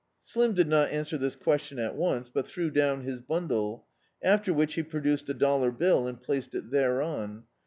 Slim did not answer this question at once, but threw down his bundle; after which he produced a dollar bill and placed it thereon.